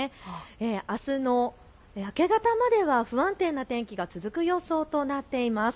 あすの明け方までは不安定な天気が続く予想となっています。